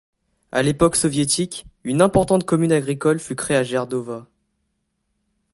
À l'époque soviétique, une importante commune agricole fut créée à Jerdova.